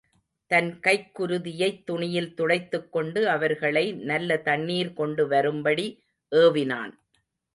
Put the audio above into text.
தன் கைக்குருதியைத் துணியில் துடைத்துக் கொண்டு அவர்களை நல்ல தண்ணீர் கொண்டு வரும்படி ஏவினான்.